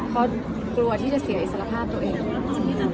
เพราะกลัวที่จะเสียอิสรภาพตัวเอง